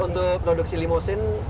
untuk produksi limousine